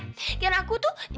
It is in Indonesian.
kira kira aku tuh